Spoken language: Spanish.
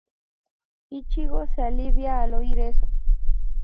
Ichigo se alivia al oír eso.